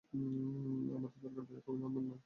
আমাদের দরকার ব্রেক, অভিনন্দন নয়।